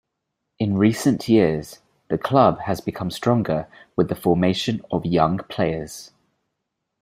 In recent years, the club has become stronger with the formation of young players.